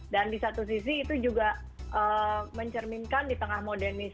dan di satu sisi itu juga mencerminkan di tengah modernisasi